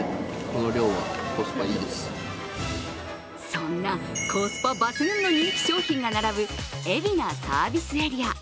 そんなコスパ抜群の人気商品が並ぶ海老名サービスエリア。